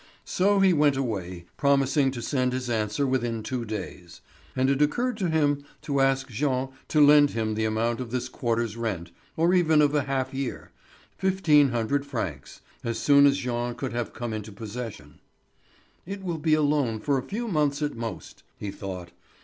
So he went away, promising to send his answer within two days, and it occurred to him to ask Jean to lend him the amount of this quarter's rent, or even of a half year, fifteen hundred francs, as soon as Jean should have come into possession. "It will be a loan for a few months at most," he thought.